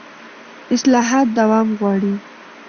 اصلاحات دوام غواړي